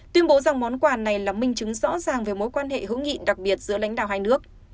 tuyên bố rằng món quà này là minh chứng rõ ràng về mối quan hệ hữu nghị đặc biệt giữa lãnh đạo hai nước